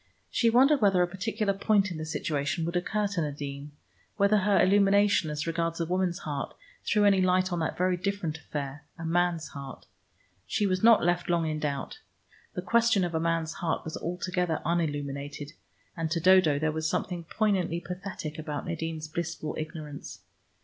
She wondered whether a particular point in the situation would occur to Nadine, whether her illumination as regards a woman's heart threw any light on that very different affair, a man's heart. She was not left long in doubt. The question of a man's heart was altogether unilluminated, and to Dodo there was something poignantly pathetic about Nadine's blissful ignorance.